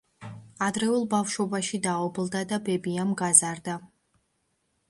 ადრეულ ბავშვობაში დაობლდა და ბებიამ გაზარდა.